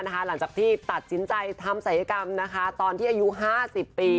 หลังจากที่ตัดศิลป์ใจทำศัยกรรมกาลเต็มต์่อเองตอนที่อายุ๕๐ปี